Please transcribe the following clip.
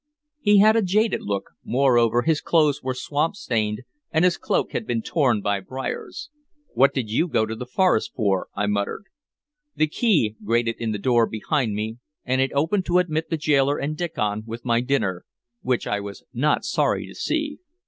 He had a jaded look; moreover, his clothes were swamp stained and his cloak had been torn by briers. "What did you go to the forest for?" I muttered. The key grated in the door behind me, and it opened to admit the gaoler and Diccon with my dinner, which I was not sorry to see.